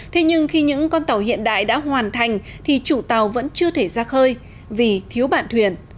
thế nhưng khi những con tàu hiện đại đã hoàn thành thì chủ tàu vẫn chưa thể ra khơi vì thiếu bạn thuyền